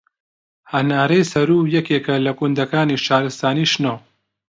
هەنارەی سەروو یەکێکە لە گوندەکانی شارستانی شنۆ